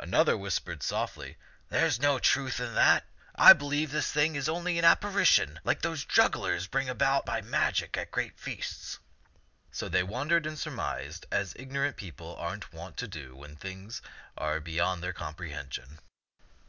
Another whispered softly, *' There 's no truth in that. I believe this thing is only an appa rition, like those that jugglers bring about by magic at great feasts." So they wondered and surmised, as ignorant people are wont to do when things are be yond their comprehension.